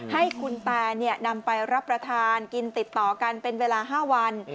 ให้คุณตานำไปรับประทานกินติดต่อกันเป็นเวลา๕วัน